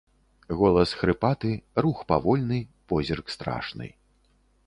Голас хрыпаты, рух павольны, позірк страшны.